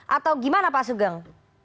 atau gimana pak sugeng